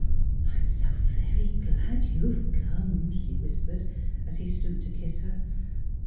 " I'm so very glad you've come," she whispered, as he stooped to kiss her.